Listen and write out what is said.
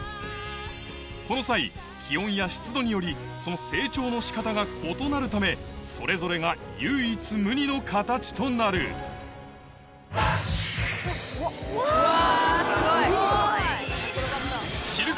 この際気温や湿度によりその成長の仕方が異なるためそれぞれが唯一無二の形となるわ！わすごい！